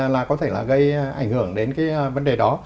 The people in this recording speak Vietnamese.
là có thể là gây ảnh hưởng đến cái vấn đề đó